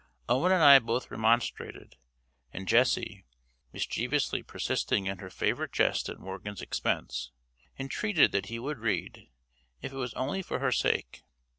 Owen and I both remonstrated; and Jessie, mischievously persisting in her favorite jest at Morgan's expense, entreated that he would read, if it was only for her sake.